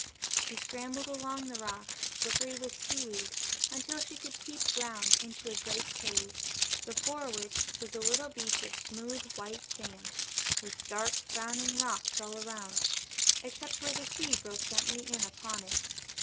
She scrambled along the rock, slippery with seaweed, until she could peep round into a great cave, before which was a little beach of smooth, white sand, with dark, frowning rocks all around, except where the sea broke gently in upon it.